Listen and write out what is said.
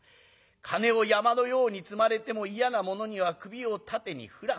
金を山のように積まれても嫌なものには首を縦に振らん。